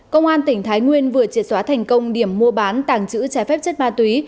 công an tỉnh thái nguyên vừa triệt xóa thành công điểm mua bán tàng chữ trái phép chất ma túy